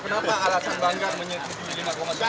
kenapa alasan banggar menyertuhi lima sembilan juta